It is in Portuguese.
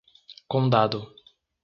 Condado